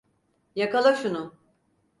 Yakala şunu!